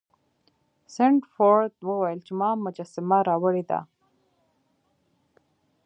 سنډفورډ وویل چې ما مجسمه راوړې ده.